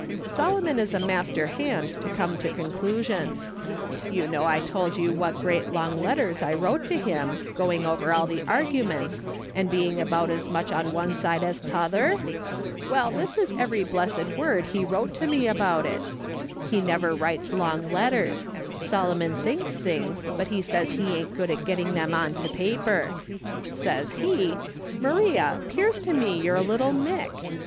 " Solomon is a master hand to come to conclusions; you know I told you what great long letters I wrote to him, going over all the arguments, and being about as much on one side as t'other ? Well, this is every blessed word he wrote to me about it. He never writes long letters ; Solomon thinks things, but he says he ain't good at getting them on to paper ; says he :' Maria, 'pears to me you're a little mixed.